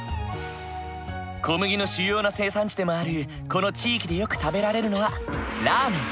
小麦の主要な生産地でもあるこの地域でよく食べられるのはラーメン。